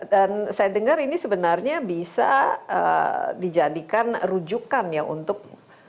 dan saya dengar ini sebenarnya bisa dijadikan rujukan ya untuk